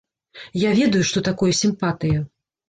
Я ведаю, што такое сімпатыя.